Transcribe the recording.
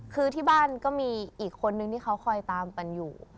คือที่บ้านก็มีอีกคนนึงที่เขาคอยตามปันอยู่